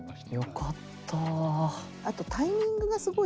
よかった！